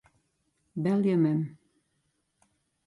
Belje mem.